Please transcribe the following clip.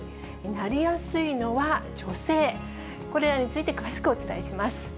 なりやすいのは女性、これらについて詳しくお伝えします。